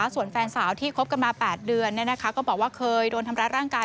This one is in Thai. ส่วนแฟนสาวที่คบกันมา๘เดือนก็บอกว่าเคยโดนทำร้ายร่างกาย